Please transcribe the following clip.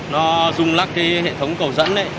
nó rung lắc hệ thống cầu dẫn